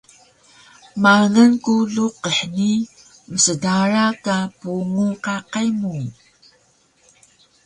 Mangal ku luqih ni msdara ka pungu qaqay mu